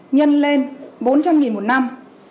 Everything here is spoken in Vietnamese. nhân lên bốn trăm linh một năm